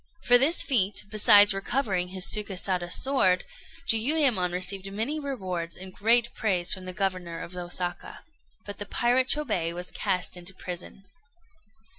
For this feat, besides recovering his Sukésada sword, Jiuyémon received many rewards and great praise from the Governor of Osaka. But the pirate Chôbei was cast into prison.